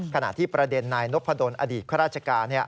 ขณะที่ประเด็นนายนพดลอดีตข้าราชการ